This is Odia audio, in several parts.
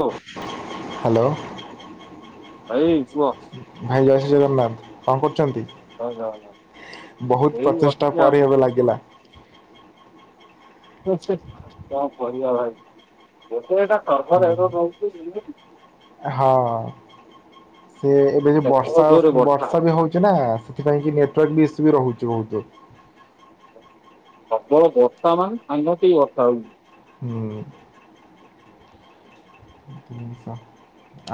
ହଉ। ହାଲୋ। ଭାଇ କୁହ। ଭାଇ ଜୟଶ୍ରୀଜଗନ୍ନାଥ କଁ କରୁଛନ୍ତି। ବୋହୁତ୍ ଏଇ ପଚେଷ୍ଟା ବସିଛି ପରେ ଏବେ ଲାଗିଲା। ହୁଁ ହୁଁ କଁ କରିବା ଭାଇ କେତେ ଏଇଟା ହୁଁ କରଭର ହେ ରଉଛି ଯେମିତି ହଁ ସେ ଏବେ ପ୍ରବଳ ବର୍ଷା ଜୋରରେ ବର୍ଷା ବର୍ଷାବି ହଉଛି ନା ସେଥିପାଇଁ କି ନେଟୱାର୍କ ଇସୁ ବି ରହୁଛି ବହୁତୁ। ପ୍ରବଳ ବର୍ଷାମାନ୍ ସାଙ୍ଘାତିକ୍ ବର୍ଷା ହଉଛି। ହୁଁ ଜିନିଷ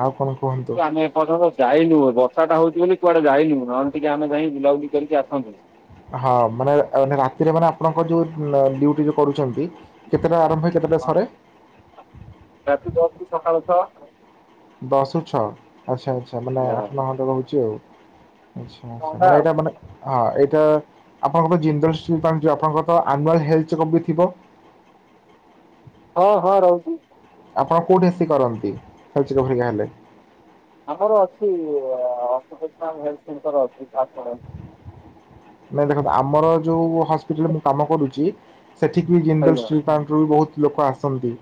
ଆଉ କଣ କୁହନ୍ତୁ। ଏ ପର୍ଯ୍ୟନ୍ତ ଯାଇନୁ ବର୍ଷା ହଉଛି ବୋଲି କୁଆଡେ ଯାଇନୁ ନହେଲେ ଟିକେ ଆମେ ଯାଇ ବୁଲାବୁଲି କରିକି ଆସନ୍ତୁ। ହଁ ମାନେ ରାତିରେ ମାନେ ଆପଣଙ୍କର ଯୋଉ ଡିଉଟି ଯୋଉ କରୁଛନ୍ତି। କେତେଟାରେ ଆରମ୍ଭ ହୁଏ କେତେଟାରେ ହଁ ସରେ। ରାତି ଦଶ୍ରୁୁ ସକାଳ ଛଅ। ଦଶ୍ରୁ ଛଅ ଆଚ୍ଛା ଆଚ୍ଛା ମାନେ ହଁ ଆଠ ନଅ ଘଣ୍ଟା ରହୁଛି ଆଉ। ଆଚ୍ଛା ଆଚ୍ଛା ଥଣ୍ଡା ମାନେ ଆଉ ଏଇଟା ମାନେ ହଁ ଏଇଟା ଆପଣଙ୍କର ଜିନ୍ଦଲ ସ୍ଟିଲପ୍ଲାନ୍ଟ ଯଉ ଆପଣଙ୍କର ତ ଆନ୍ନୱାଲ ହେଲ୍ଥ ଚେକଅପ୍ ବି ତ ଥିବ। ହଁ ହଁ ରହୁଛି। ଆପଣ କୋଉଠି ଆସି କରନ୍ତି ହେଲ୍ଥ ଚେକଅପ୍ ହେରିକା ହେଲେ? ଆମର ଅଛି ଆଁ ଅକୁପେସନ ହେଲ୍ଥ ସେଣ୍ଟର ଅଛି ଝାରସୁଗୁଡ଼ାରେ। ନାଇଁ ଦେଖନ୍ତୁ ଆମର ଯୋଉ ହସ୍ପିଟାଲରେ ମୁଁ କାମ କରୁଛି ସେଠିକି ବି ଜିନ୍ଦଲ ସ୍ଟିଲପ୍ଲାନ୍ଟ ରୁ ବି ବହୁତ ଲୋକ ଆସ ଛନ୍ତି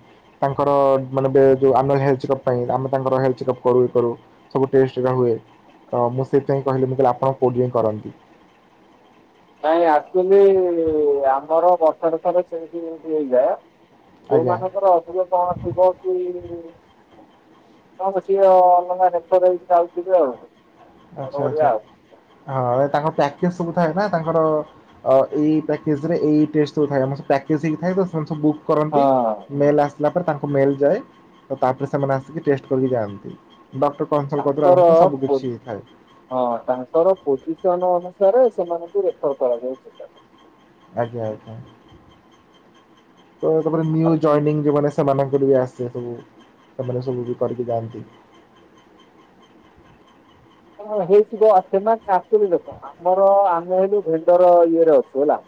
ତାଙ୍କର ମାନେ ବେ ଆନୁଆଲ ହେଲ୍ଥ ଚେକଅପ୍ ପାଇଁ ଆମେ ତାଙ୍କର ହେଲ୍ଥ ଚେକଅପ୍ କରୁ ଇଏ କରୁ। ସବୁ ଟେଷ୍ଟ ହେରିକା ହୁଏ ତ ମୁଁ ସେଥିପାଇଁ କହିଲି ମୁଁ କି ଆପଣ କୋଉଠି ଯାଇକି କରନ୍ତି। ନାଇଁ ଆକ୍ଚୁଆଲି ଆମର ବର୍ଷ ରେ ଥରେ ସେମତି ହେଇଯାଏ। ଯୋଉ ଆଜ୍ଞା ମାନଙ୍କର ଅଧିକ କଣ ଥିବ କି କଣ ସିଏ ଅଲଗା ରେଫର ହେଇକି ଯାଉଥିବେ ଆଉ। ଆମର ଆଛା ବଢିଆ ଆଛା ଆଉ। ହଁ ତାଙ୍କର ପ୍ୟାକେଜ ସବୁ ଥାଏ ନା ତାଙ୍କର ଅ ଏଇ ଏଇ ପ୍ୟାକେଜ ରେ ଏଇ ଏଇ ଟେଷ୍ଟ ସବୁ ଥାଏ ତ ଆମ ସେ ପ୍ୟାକେଜ ହେଇକି ଥାଏ ତ ସମସ୍ତେ ବୁକ୍ କରନ୍ତି। ହଁ ମେଲ୍ ଆସିଲା ପରେ ତାଙ୍କୁ ମେଲ୍ ଯାଏ ତ ତାପରେ ସେମାନେ ଆସିକି ଟେଷ୍ଟ କରିକି ଯାଆନ୍ତି, ଡକ୍ଟର କନ୍ସଲ୍ଟ କତୁରୁ ଆରମ୍ଭ ତାଙ୍କର କରିକି ସବୁ ପୋ କିଛି ଥାଏ। ହଁ ତାଙ୍କର ପୋଜିସନ ଅନୁସାରେ ସେମାନଙ୍କୁ ରେଫର କରାଯାଉ ସେଠାରେ। ଆଜ୍ଞା ଆଜ୍ଞା, ତ ତାପରେ ଆଉ ନିଉ ଜଏନିଂ ସେମିତି ଯୋଉମାନେ ସେମାନଙ୍କର ବି ଆସେ ସବୁ ସେମାନେ ସବୁ ବି କରିକି ଯାଆନ୍ତି। ହଁ ହେଇଥିବ ଆପଣ ଆକ୍ଚୁଆଲି ଦେଖ ଆମର ଆମେ ହେଲୁ ଭେଣ୍ଡର ଇଏରେ ଅଛୁ ହେଲା।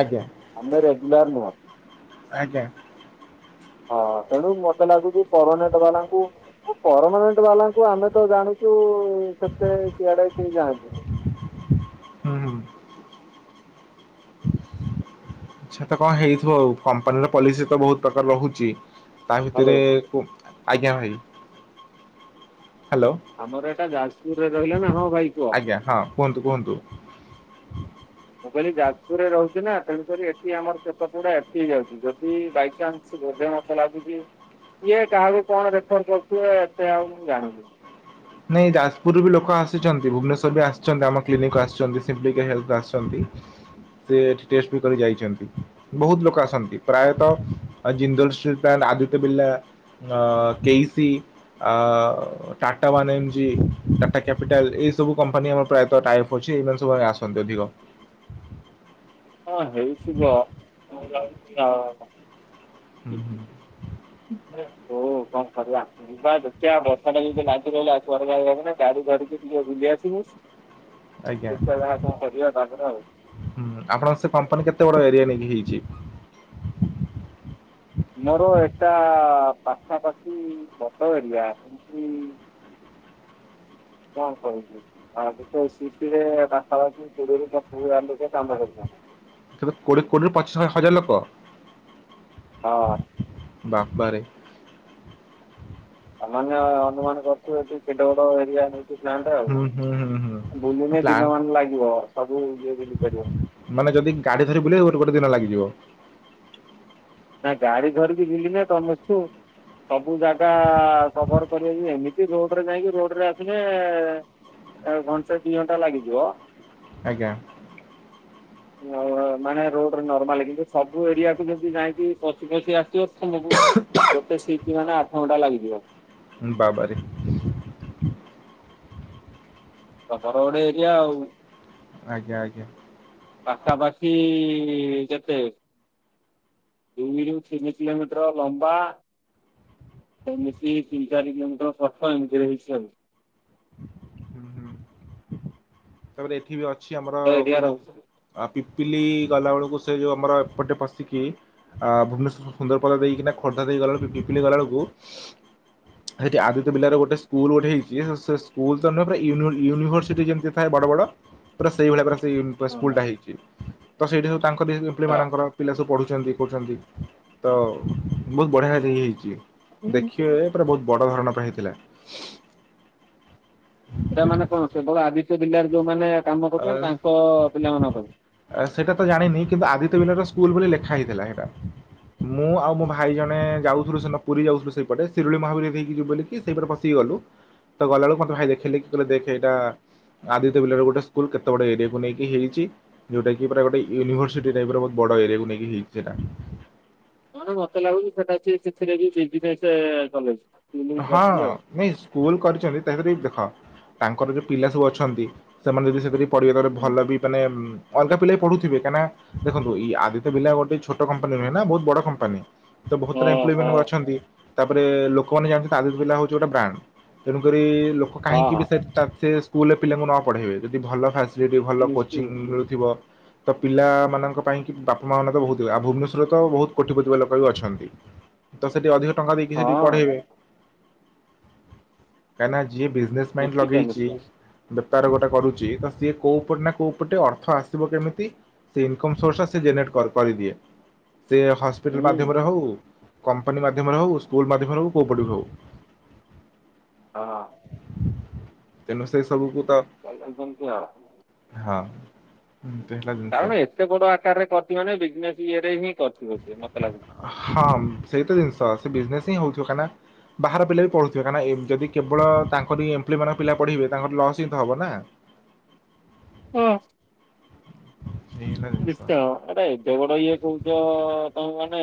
ଆଜ୍ଞା ଆମେ ରେଗୁଲାର ନୁହଁ। ଆଜ୍ଞା। ହଁ ତେଣୁ ମତେ ଲାଗୁଛି ପରମାନେଣ୍ଟ ବାଲାଙ୍କୁ ପରମାନେଣ୍ଟ ବାଲାଙ୍କୁ ଆମେ ତ ଜାଣିଛୁ ସେତେ ସିଆଡେ କେହି ଯାଆନ୍ତିନି। ହୁଁ ହୁଁ। ଆଚ୍ଛା ତ କଣ ହେଇଥିବ ଆଉ କମ୍ପାନୀର ପଲିସି ତ ବହୁତ ପ୍ରକାର ରହୁଛି ତା ହ୍ୟାଲୋ ଭିତରେ କଉ ଆଜ୍ଞା ଭାଇ, ହ୍ୟାଲୋ। ଆମର ଏଇଟା ଯାଜପୁରରେ ରହିଲା ନା ହଁ ଭାଇ କୁହ। ଆଜ୍ଞା ହଁ କୁହନ୍ତୁ କୁହନ୍ତୁ। ମୁଁ କହିଲି ଯାଜପୁରରେ ରହୁଛି ନା ତେଣୁ କରି ଏଠି ଆମର ସେତ ପୁରା ଏଠି ହେଇ ଯାଉଛି ଯଦି ବାଇଚାନ୍ସ ସେ ବୋଧେ ମତେ ଲାଗୁଛି କିଏ କାହାକୁ କଣ ରେଫର କରୁଥିବେ ଏତେ ଆଉ ମୁଁ ଜାଣୁନି। ନାଇଁ ଯାଜପୁରରୁ ବି ଲୋକ ଆସୁଛନ୍ତି ଭୁବନେଶ୍ୱର ବି ଆସିଛନ୍ତି ଆମ କ୍ଲିନିକ କୁ ଆସିଛନ୍ତି ସିମ୍ପ୍ଲିକେୟାର ହେଲ୍ଥ କୁ ଆସିଛନ୍ତି। ସେ ଏଠି ଟେଷ୍ଟ ବି କରି ଯାଇଛନ୍ତି। ବହୁତ ଲୋକ ଆସନ୍ତି ପ୍ରାୟତଃ ଜିନ୍ଦଲ ସ୍ଟିଲପ୍ଲାନ୍ଟ, ଆଦିତ୍ୟ ବିର୍ଲା ଅଁ କେ ଇ ସି, ଅ ଟା Tata one MG, Tata capital ଏଇ ସବୁ କମ୍ପାନୀ ଆମର ପ୍ରାୟତଃ ଟାଇଅପ୍ ଅଛି ଏଇମାନେ ସବୁ ଆସନ୍ତି ଅଧିକ। ହଁ ହେଇଥିବ କିଏ ଜାଣୁଛି କାହାକଥା। ହୁଁ ହୁଁ। ହଉ କଁ କରିବା। ଯିବା ଦେଖିଆ ବର୍ଷା ଟା ଯଦି ଲାଗି ରହିଲା କୁଆଡେ ଯାଇହବନି ଗାଡି ଧରିକି ଟିକେ ବୁଲି ଆସିବି। ଆଜ୍ଞା ଦେଖିବା ଯାହା କଣ କରିବା ତା ପରେ ଆଉ। ହୁଁ ଆପଣଙ୍କ ସେ କମ୍ପାନୀ କେତେ ବଡ ଏରିଆ ନେଇକି ହେଇଛି? ମୋର ଏଟା ପାଖାପାଖି ବଡ ଏରିଆ ଏମତି କଁ କହିବି? ଆଉ ଦେଖିବ ସିଟିରେ ପାଖାପାଖି କୋଡିଏ ରୁ ପଚିଶ ହଜାର ଲୋକ କାମ କରୁଛନ୍ତି। ତେବେ କୋଡିଏ କୋଡିଏ ରୁ ପଚିଶ ହଜାର ଲୋକ। ହଁ। ବାବା ରେ। ସାମାନ୍ୟ ଅନୁମାନ କରୁଥିବେ ଟି କେଡେ ବଡ ଏରିଆ ନେଇଚି। ସେଇ ପ୍ଲାନ୍ଟଟା ହୁଁ ହୁଁ ହୁଁ ହୁଁ। ଆଉ ବୁଲିନେ ପ୍ଲାଣ୍ଟ ଦିନ ମାନ ଲାଗିବ ସବୁ ଇଏ ବୁଲିପାରିବନି। ମାନେ ଯଦି ଗାଡି ଧରି ବୁଲିବ ଗୋଟେ ଗୋଟେ ଦିନ ଲାଗିଯିବ। ନାଁ ଗାଡି ଧରିକି ବୁଲିଲେ ତମକୁ ସବୁ ଜାଗା କଭର କରିହେବ କି ଏମିତି ରୋଡରେ ଯାଇକି ରୋଡରେ ଆସିଲେ ଏ ଘଣ୍ଟେ ଦି ଘଣ୍ଟା ଲାଗିଯିବ। ଆଜ୍ଞା। ଉଁ ମାନେ ରୋଡରେ ନର୍ମାଲ କିନ୍ତୁ ସବୁ ଏରିଆ କୁ ଯେମିତି ଯାଇ କି ପଶି ପଶି ଆସିବ ତମକୁ ଗୋଟେ ସିଫ୍ଟ ମାନେ ଆଠ ଘଣ୍ଟା ଲାଗିଯିବ। ଉଁ ବାବାରେ। ପଥ ରୋଡ ଏରିଆ ଆଉ। [unintelligible] ଆଜ୍ଞା ଆଜ୍ଞା। ପାଖାପାଖି କେତେ ଦୁଇରୁ ତିନି କିଲୋମିଟର ଲମ୍ବା ଏମିତି ତିନି ଚାରି କିଲୋମିଟର ପ୍ରସ୍ତ ଏମିତି ରେ ହେଇଛି ଆଉ। [unintelligible] ହୁଁ ହୁଁ ତାପରେ ଏଠି ବି ଅଛି ଆମର ତ ଏରିଆ କୋଉଠି ରହୁଛି। ଆଉ ପିପିଲି ଗଲା ବେଳକୁ ସେ ଯୋଉ ଆମର ଏପଟେ ପଶିକି ଆଁ ଭୁବନେଶ୍ୱର ରୁ ସୁନ୍ଦରପଦା ଦେଇକିନା ଖୋର୍ଦ୍ଧା ଦେଇ ଗଲା ବେଳକୁ ପିପିଲି ଗଲା ବେଳକୁ ସେଠି ଆଦିତ୍ୟ ବିର୍ଲାର ଗୋଟେ ସ୍କୁଲ ଗୋଟେ ହେଇଛି ସେ ସ୍କୁଲ ତ ନୁହେଁ ପୁରା ୟୁନିଭର ୟୁନିଭର୍ସିଟି ଯେମିତି ଥାଏ ବଡ ବଡ଼ ପୁରା ସେଇ ଭଳିଆ ପୁରା ସେଇ ସ୍କୁଲଟା ହେଇଛି ତ ସେଇଠି ସବୁ ତାଙ୍କରି ଏମ୍ପ୍ଲୋଇ ଆଚ୍ଛା ମାନଙ୍କର ପିଲା ସବୁ ପଢ଼ୁଛନ୍ତି କରୁଛନ୍ତି ତ ବହୁତ ବଢ଼ିଆ ସେ ହେଇଛି ଦେଖିବେ ପୁରା ବହୁତ ବଡ ଧରଣ ର ହେଇଥିଲା। ସେଇଟା ମାନେ କଣ କେବଳ ଆଦିତ୍ୟ ବିର୍ଲାରେ ଯୋଉମାନେ କାମ କରୁଛନ୍ତି ଅ ତାଙ୍କ ପିଲାମାନଙ୍କ ପାଇଁ ସେଇଟା ତ ଜାଣିନି କିନ୍ତୁ ଆଦିତ୍ୟ ବିର୍ଲା ର ସ୍କୁଲ ବୋଲି ଲେଖା ହେଇଥିଲା ସେଇଟା ମୁଁ ଆଉ ମୋ ଭାଇ ଜଣେ ଯାଉଥିଲୁ ସେଦିନ ପୁରୀ ଯାଉଥିଲୁ ସେଇପଟେ ଶିରୁଳି ମହାବୀର ଦେଇକି ଯିବୁ ବୋଲି ସେଇପଟେ ପସିକି ଗଲୁ ତ ଗଲା ବେଳକୁ ମତେ ଭାଇ ଦେଖେଇଲେ କି ଦେଖ ଏଇଟା ଆଦିତ୍ୟ ବିର୍ଲାର ଗୋଟେ ସ ସ୍କୁଲ କେତେ ବଡ ଏରିଆକୁ ନେଇକି ହେଇଛି ଯୋଉଟା କି ପୁରା ଗୋଟେ ୟୁିଭର୍ସିଟି ଟାଇପ ର ବହୁତ ବଡ ଏରିଆକୁ ନେଇକି ହେଇଛି ସେଇଟା ନହେଲେ ମତେ ଲାଗୁଛି ସେଟା ସିଏ ସେଥିରେ ବି ବିଜନେସ କଲେଣି ହଁ ହଁ ନାଁଇ ସ ସ୍କୁଲ୍ କରିଛନ୍ତି ତାପରେ ବି ଦେଖ ତାଙ୍କର ଯେଉଁ ପିଲା ସବୁ ଅଛନ୍ତି ସେମାନେ ଯଦି ସେଥିରେ ପଢ଼େଇବାରେ ଭଲ ବି ମାନେ ଅଲଗା ପିଲା ବି ପଢ଼ୁଥିବେ କାହିଁକିନା ଦେଖନ୍ତୁ ଏଇ ଆଦିତ୍ୟ ବିର୍ଲା ଗୋଟେ ଛୋଟ କମ୍ପାନୀ ନୁହେଁ ନା ବହୁତ ବଡ କମ୍ପାନୀ ତ ବହୁତ ଗୁରା ଏମ୍ପ୍ଲୋଇ ଓହୋ ମାନେ ବି ଅଛନ୍ତି ତାପରେ ଲୋକ କମାନେ ଜାଣିଛନ୍ତି ଆଦିତ୍ୟ ବିର୍ଲା ହଉଛି ଗୋଟେ ବ୍ରାଣ୍ଡ ତେଣୁକରି ଲୋକ ହଁ କାହିଁକି ହଁ। ବି ସେ ତା ସେ ସ୍କୁଲରେ ପିଲାଙ୍କୁ ନ ପଢ଼େଇବେ ଯଦି ଭଲ ଫ୍ୟାସିଲିଟି ଭଲ ନିଶ୍ଚିତ କୋଚିଂ ନିଶ୍ଚ ମିଳୁଥିବ ତ ପିଲାମାନଙ୍କ ପାଇଁକି ବାପା ମାଁ ମାନଙ୍କ ବହୁତ ହୁଏ ଆଉ ଭୁବନେଶ୍ୱରରେ ତ ବହୁତ କୋଟିପତିି ବାଲା ଲୋକ ବି ଅଛନ୍ତି। ତ ସେଠି ଅଧିକ ଟଙ୍କା ଦେଇକି ସେଠି ହଁ ପଢେଇବେ କାହିଁ ନା ଯିଏ ବିଜନେସ ମାଇଣ୍ଡ ନିଶ୍ଚିତ ଲଗେଇଛି ନିଶ୍ଚିତ ବେପାର ଗୋଟେ କରୁଛି ତ ସିଏ କୋଉ ପଟେ ନା କୋଉ ପଟେ ଅର୍ଥ ଆସିବ କେମିତି ସେ ଇନ୍କମ ସୋର୍ସ ସେ ଜେନ୍ରେଟ କର କରି ଦିଏ ସେ ହସ ପିଟାଲ ହୁଁ ମାଧ୍ୟମରେ ହଉ, କମ୍ପାନୀ ମାଧ୍ୟମରେ ହଉ, ସ୍କୁଲ ମାଧ୍ୟମରେ ହଉ କୋଉ ପଟୁ ଭି ହୋଉ ହଁ। ତେଣୁ ସେ ସବୁକୁ ତ [inaudible] ହଁ। ଏତେ ହେଲା ଜିନିଷ କାରଣ ଏତେ ବଡ ଆକାରରେ କରିଛି ମାନେ ବିଜନେସ୍ ଇଏରେ ହିଁ କରିଥିବ ସେ ମତେ ଲାଗୁଛି। ହଁ ସେଇତ ଜିନିଷ ସେ ବିଜନେସ ହିଁ ହଉଥିବ କାହିଁକି ନା ବାହାର ପିଲା ବି ପଢ଼ୁଥିବେ କାହିଁନା ଏମ୍ ଯଦି କେବଳ ତାଙ୍କରି ଏମ୍ପ୍ଲୋଇ ମାନଙ୍କ ପିଲା ପଢ଼ିବେ ତାଙ୍କର ଲସ୍ ହିି ତ ହେବ ନା। ହଁ। ଏଇ ହେଲା ଜିନିଷ ନିଶ୍ଚିତ ଆରେ ଏଡେ ବଡ ଇଏ କହୁଚ ତମେ ମାନେ।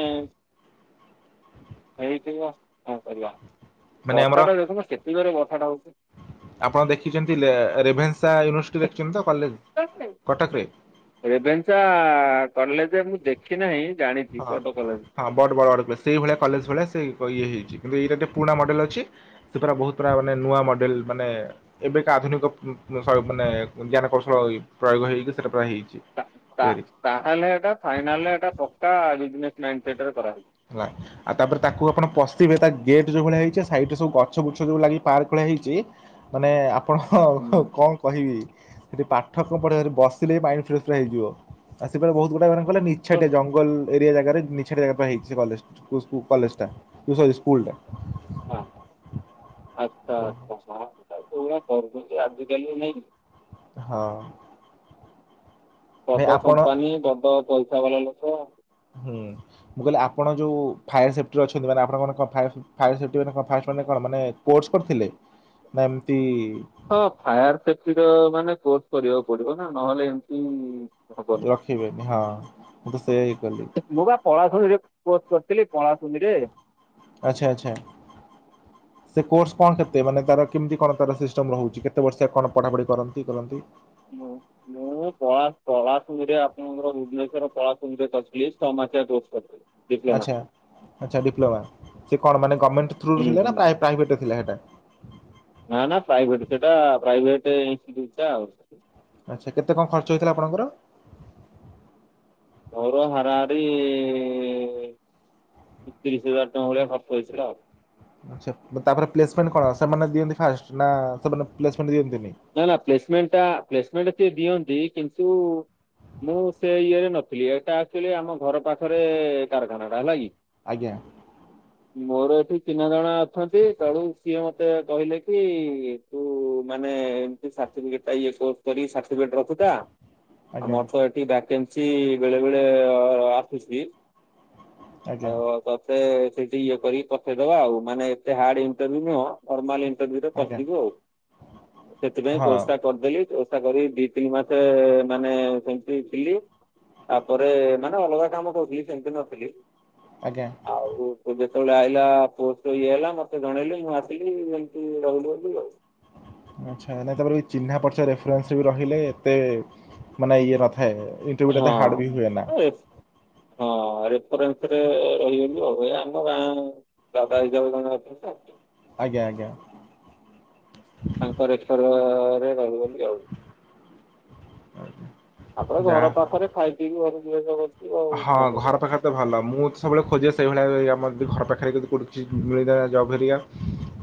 ହେଇଥିବ କଣ କରିବା ମାନେ ଆମର ବର୍ଷା ଟା ଦେଖୁନୁ ସେତିକିବେଳେ ବର୍ଷା ଟା ହଉଛି। ଆପଣ ଦେଖିଚନ୍ତି ରେ ରେଭେନ୍ସା ୟୁନିଭର୍ସିଟି ଦେଖିଛନ୍ତି ତ କଲେଜ। କଟକରେ ରେଭେନ୍ସା କଲେଜେ ମୁଁ ଦେଖି ନାହିଁ ଜାଣି ହଁ ହଁ ବଡ଼୍ ବଡ଼ ବଡ଼ କ ସେଇ ଭଳିଆ କଲେଜ୍ ଭଳିଆ ସେ ଇଏ ହେଇଚି କିନ୍ତୁ ଏଇରା ଟିକେ ପୁରୁଣା ମଡେଲ୍ ଅଛି। ସେ ପରା ବହୁତ ପରା ମାନେ ନୂଆ ମଡ଼େଲ୍ ମାନେ। ଏବେ ଏଟା ଆଧୁନିକ ପ ଶୈ ମାନେ ଜ୍ଞାନ କୌଶଳ ଇ ପ୍ରୟୋଗ ହେଇକି ସେଟା ପ୍ରାୟ ହେଇଚି। ତା ତା ତାହେଲେ ଏଟା ଫାଇନାଲ୍ ରେ ଏଟା ପକ୍କା ବିଜ୍ନେସ୍ ମାଇଣ୍ଡ୍ ସେଟ୍ ରେ କରାହେଇଚି। ନାଇଁ ନା। ଆଉ ତାପରେ ତାକୁ ଆପଣ ପସଥିବେ ତା ଗେଟ୍ ଯୋଉ ଭଳିଆ ହେଇଚି ଆ ସାଇଡ୍ ରେ ସବୁ ଗଛ ବୁଛ ଯୋଉ ଲାଗି ପାର୍କ ଭଳିଆ ହେଇଚି। ମାନେ ଆପଣ କଣ କହିବି। ସେଠି ପାଠ ପ ପଢ଼ିବାରେ ବସିଲେ ମାଇଣ୍ଡ ଫ୍ରେଶ୍ ପୁରା ହେଇଯିବ ଆ ସେ ପରା ବହୁତ ଗୁଡ଼ା ମାନେ କଣ କହିଲ ହୁଁ ନିଛାଟିଆ ଜ ଭଲ୍ ଏରିଆ ଜାଗାରେ ନିଛାଟିଆ ଜାଗା ପୁରା ହେଇଚି ସେ କଲେଜ୍ ସ୍କୁ ସ୍କୁ କଲେଜ୍ ଟା ଏ ସରି ସ୍କୁଲ୍ ଟା। ହଁ ଆଚ୍ଛା [unintelligible] ପୁରା କରୁଚି ଆଜିିକାଲି ନାଇଁ କି? ହଁ। ଭାଇ ବଡ ଆପଣ କମ୍ପାନୀ ବଡ ପଇସା ଵାଲା ଲୋକ। ହୁଁ ମୁଁ କହିଲି ଆପଣ ଯୋଉ ଫାୟାର୍ ସେଫ୍ଟିରେ ଅଛନ୍ତି ମାନେ ଆପଣଙ୍କର ମାନେ କଣ ଫାୟାର୍ ଫାୟାର୍ ସେଫ୍ଟି ମାନେ କଣ ଫାୟାର୍ସ ମାନେ କଣ ମାନେ କୋର୍ସ କରିଥିଲେ ନା ଏମତି। ହଁ ଫାୟାର୍ ସେଫ୍ଟିର ମାନେ କୋର୍ସ କରିବାକୁ ପଡିବ ନା ନହଲେ ଏମତି। ରଖିବେନି ହଁ ମୁଁ ତ ସେଇୟା ହି କଲି। ମୁଁ ବା ପଳାଶୁଣିରେ କୋର୍ସ କରିଥିଲି ପଳାଶୁଣିରେ। ଆଚ୍ଛା ଆଚ୍ଛା। ସେ କୋର୍ସ କଣ କେତେ ମାନେ ତାର କେମତି କଣ ତାର ସିଷ୍ଟମ ରେହୁଚି କେତେ ବର୍ଷିଆ କଣ ପଢାପଢି କରନ୍ତି ଇ କରନ୍ତି। ମୁଁ ମୁଁ ପଳା ପ ପଳାସୁଣିରେ ରେ ଆପଣଙ୍କର ଭୁବନେଶ୍ୱର ପଳାଶୁଣିରେ [unintelligible] ଛ ମାସିଆ କୋର୍ସ କରିଥିଲି। ଡିପ୍ଲୋମା ଆଚ୍ଛା ଆଚ୍ଛା ଡିପ୍ଲୋମା ସେ କଣ ମାନେ ଗମେଣ୍ଟ ଥ୍ରୁରୁ ହୁଁ ଥିଲେ ହୁଁ ନା ପ୍ରା ପ୍ରାଇଭେଟରେ ଥିଲେ ହେଟା? ନା ନା ପ୍ରାଇଭେଟେ ସେଟା ପ୍ରାଇଭେଟେ ଇନ୍ଷ୍ଟିଚ୍ୟୁଟ୍ ଆଉ। ଆଚ୍ଛା କେତେ କଣ ଖର୍ଚ୍ଚ ହେଇଥିଲା ଆପଣଙ୍କର? ମୋର ହାରାହାରି ତିରିଶ ହଜାର ଟଙ୍କା ଭଳିଆ ଖର୍ଚ୍ଚ ହେଇଥିଲା ଆଉ। ଆଛା ତାପରେ ପ୍ଲେସମେଣ୍ଟ କଣ ସେମାନେ ଦିଅନ୍ତି ଫାଷ୍ଟ ନା ସେମାନେ ପ୍ଲେସ୍ମେଣ୍ଟ ଦିଅନ୍ତିନିଁ? ନା ନା ପ୍ଲେସ୍ମେଣ୍ଟ ପସମେଣ୍ଟଟା ସେ ଦିଅନ୍ତି କିନ୍ତୁ। ମୁଁ ସେ ଇଏରେ ନଥିଲି ଏଟା ଆକ୍ଚୁଆଲି ଆମ ଘର ପାଖରେ କାରଖାନା ଟା ହେଲା କି। ଆଜ୍ଞା। ମୋର ଏଠି ଚିହ୍ନା ଜଣା ଅଛନ୍ତି ତେଣୁ ସିଏ ମତେ ଏୟା କହିଲେ କି ତୁ ମା ନେ ଏମତି ସାଟିଫିକେଟ୍ ଟା ଇଏ କୋର୍ସ କରି ସାଟିଫିକେଟ୍ ରଖୁଥା ଆଉ ଆଜ୍ଞା ମତେ। ଏଠି ଭାକେନ୍ସି ବେଳେ ବେଳେ ଆସୁଛି ଆଜ୍ଞା ଆଉ ତ ତେ ସେଇଠି ଇଏ କରିକି ପଠେଇଦବା ଆଉ ମାନେ ଏତେ ହାର୍ଡ ଇଣ୍ଟରଭିୟୁ ନୁହଁ। ନର୍ମାଲ ଇଣ୍ଟରଭିୟୁରେ ଆଜ୍ଞା ପସିଯିବୁ ଆଉ। ସେଥିପାଇଁ ହଁ କୋର୍ସ କରିଦେଲି କୋର୍ସଟା କରି ଦି ତିନି ମାସେ ମାନେ ସେମତି ଥିଲି। ତାପରେ ମାନେ ଅଲଗା କାମ କରୁଥିଲି ସେମତି ନଥିଲି। ଆଜ୍ଞା। ଆଉ ତ ଯେତବଳେ ଆଇଲା ପୋଷ୍ଟ ଇଏ ହେଲା ମତେ ଜଣେଇଲେ ମୁଁ ଆସିଲି ଏମତି ରହୁଲି ବୋଲି ଆଉ। ଆଚ୍ଛା ନାଇଁ ତାପରେ ବି ଚିହ୍ନା ପର୍ଚ ରେଫରେନ୍ସରେ ବି ରହିଲେ ଏତେ ମାନେ ଇଏ ନଥାଏ ଇ ତେ ଗୁଡ଼ା ହଁ ତ ହାଡ଼୍ ବି ହୁଏନା‌। ଏ ହଁ ରେରେନ୍ସରେ ରହିଗଲୁ ଆଉ ଏ ଆମ ଗାଁ ଦାଦା ହିସାବରେ ଜଣେ ଅଛନ୍ତି ତ। ଆଜ୍ଞା ଆଜ୍ଞା। ତାଙ୍କ ରେଫରରେ ରହିଗଲି ଆଉ। ଆଜ୍ଞା। ଆପଣ ଯାହା ଘର ପାଖରେ ଖାଇ ପିଇକି ଘରୁ ଯିବା ଆସିବା କରୁ ହଁ ଘର ପାଖ ତେ ଭଲ ମୁଁ ହୋଉଚି ସବୁବେଳେ ଖୋଜେ ସେଇଭଳିଆ ଏବେ ଆମର ଦି ଘର ପାଖରେ ଯଦି କୋଉଠି ଚି ମିଳିଲା ଜବ୍ ହେରିକା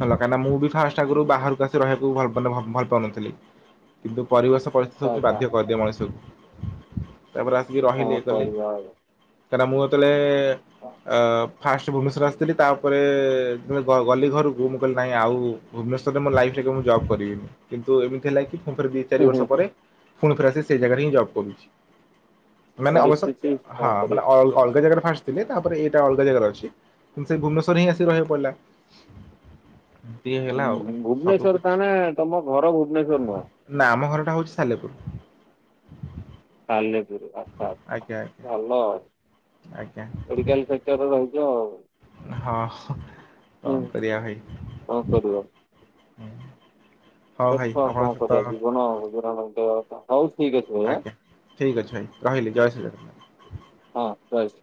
ଭଲ କାଇଁ ନା ମୁଁ ବି ଫାଷ୍ ଛା ଆଗୁରୁ ହୁଁ, ବାହାରୁକୁ ଆସି ରହିବାକୁ ଭଲ୍ ମାନେ ଭ ଭୁଲ୍ ପାଉନଥିଲି କିନ୍ତୁ ପରିବେଶ ପରିସ୍ଥିତି ଆଚ୍ଛା ହୋଉଚି ଆଚ୍ଛା ବାଧ୍ୟ କରିଦିଏ ମଣିଷକୁ ତାପରେ ଆସିକି କଣ ରହିଲି ଇଏ କଲି। କରିବା ଆଉ। କାଇଁ ନା ମୁଁ ଏତୋଳେ ଏ ଫାଷ୍ଟ ଭୁବନେଶ୍ୱର ଆସିଥିଲି ତାପରେ ତୁ ଏ ଗ ଗଲି ଘରୁକୁ ମୁଁ କହିଲି ନାଇଁ ଆଉ ଭୁବନେଶ୍ୱରରେ ମୋ ଲାଇଫ୍ ରେ କେବେ ମୁଁ ଜବ୍ କରିବିନି, କିନ୍ତୁ ଏମିତି ହେଲା କି ଫୁଣି ଥରେ ବି ଚାରି ବର୍ଷ ପରେ ଫୁଣି ଫେର୍ ଆସି ସେଇ ଜାଗାରେ ହିଁ ଜବ୍ କରୁଚି ମାନେ ଅବଶ୍ୟ ପରିସ୍ଥିତି ହଁ କଣ ମାନେ କରିବା ଅଲ୍ ଅଲଗା ଜାଗରେ ଫାଷ୍ ଥିଲି ତାପରେ ଏଇଟା ଅଲଗା ଜାଗାରେ ଅଛି କିନ୍ତୁ ସେଇ ଭୁବନେଶ୍ୱରରେ ହିଁ ଆସି ରହିବାଉ ପଲା। ହୁଁ ହୁଁ ସବୁ ଭୁବନେଶ୍ୱର କିଛି ତାନେ ତମ ଘର ଭୁବନେଶ୍ଵର ନୁହଁ? ନାଁ ଆମ ଘରଟା ହଉଚି ସାଲେପୁର। ସାଲେପୁର ଆଚ୍ଛା। ଆଚ୍ଛା, ଆଜ୍ଞା ଅଜ୍ଞା। ଭଲ ମେଡ଼ିକାଲ୍ ସେକ୍ଟରରେ ରହୁଚ ଆଉ। ହଁ ହ କଁ ହୁଁ କରିଆ ଭାଇ? କଣ କରିବ ହଉ ଭାଇ ଦେଖ ଆଉ କଁ ଆପଣଙ୍କ କରିଆ ସହିତ ଜୀବନ ଗୁଜୁରାଣ ମେଣ୍ଟେଇବା କଥା ହଉ ଠିକ୍ ଅଛି। ଭାଇ ଆଁ ଆଜ୍ଞା ଠିକ୍ ଅଛି ଭାଇ ରହିଲି ଆଜ୍ଞା। ଜୟ ଶ୍ରୀରା ହଁ ଜୟ ଶ୍ରୀ